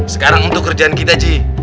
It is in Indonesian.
sekarang untuk kerjaan kita ji